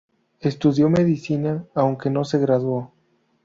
Estudió Medicina aunque no se graduó.